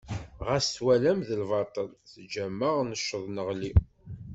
Ɣas ma twalam d lbaṭel, teǧǧam-aɣ, necceḍ neɣli.